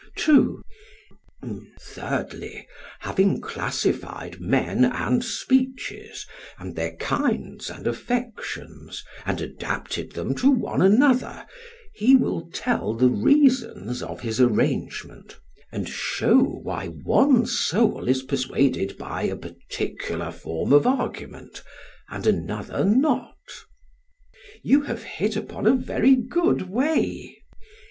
PHAEDRUS: True. SOCRATES: Thirdly, having classified men and speeches, and their kinds and affections, and adapted them to one another, he will tell the reasons of his arrangement, and show why one soul is persuaded by a particular form of argument, and another not. PHAEDRUS: You have hit upon a very good way.